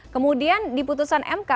kemudian di putusan mk